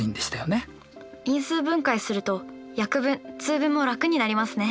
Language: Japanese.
因数分解すると約分通分も楽になりますね。